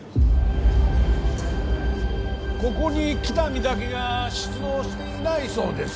ここに喜多見だけが出動していないそうです